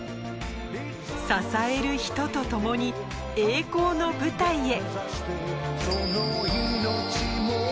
支える人と共に栄光の舞台へ。